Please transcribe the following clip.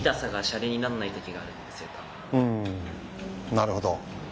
うんなるほど。